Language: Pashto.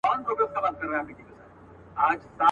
د دوستۍ درته لرمه پیغامونه.